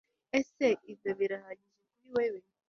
Ese ibyo birahagije kuri wewe